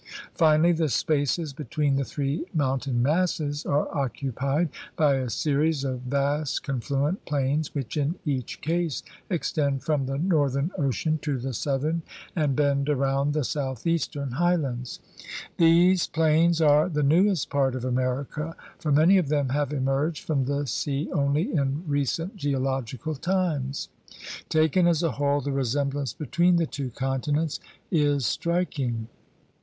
Finally, the spaces between the three mountain masses are occupied by a series of vast confluent plains which in each case extend from the northern ocean to the southern and bend around the southeastern highlands. These plains are the newest part of America, for many of them have emerged from the sea only in recent geological times. Taken as a whole the resemblance between the two continents is striking.